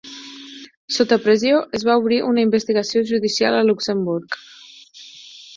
Sota pressió, es va obrir una investigació judicial a Luxemburg.